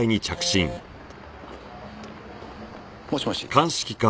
もしもし。